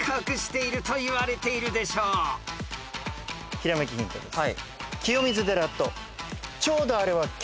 ひらめきヒントです。